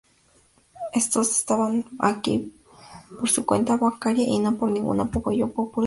Estos estaban aquí por su "cuenta bancaria" y no por ningún apoyo popular.